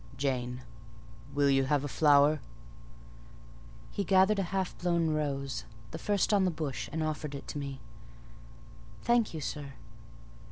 "Jane, will you have a flower?" He gathered a half blown rose, the first on the bush, and offered it to me. "Thank you, sir."